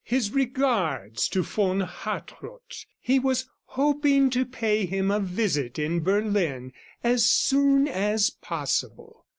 His regards to von Hartrott; he was hoping to pay him a visit in Berlin as soon as possible.